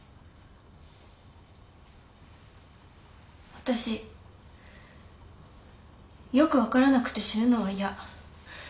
わたしよく分からなくて死ぬのは嫌。